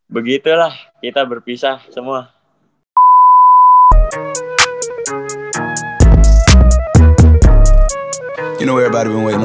begitulah kita berpisah semua